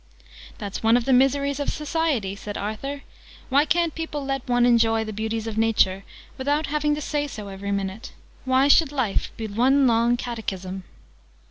"That's one of the miseries of Society!" said Arthur. "Why ca'n't people let one enjoy the beauties of Nature without having to say so every minute? Why should Life be one long Catechism?"